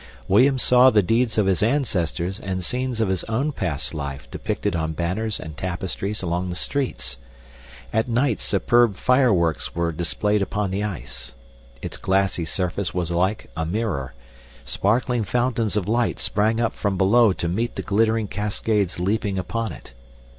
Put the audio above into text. William saw the deeds of his ancestors and scenes of his own past life depicted on banners and tapestries along the streets. At night superb fireworks were displayed upon the ice. Its glassy surface was like a mirror. Sparkling fountains of light sprang up from below to meet the glittering cascades leaping upon it.